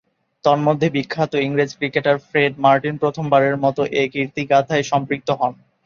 তন্মধ্যে, বিখ্যাত ইংরেজ ক্রিকেটার ফ্রেড মার্টিন প্রথমবারের মতো এ কীর্তিগাঁথায় সম্পৃক্ত হন।